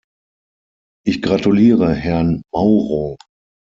Ich gratuliere Herrn Mauro.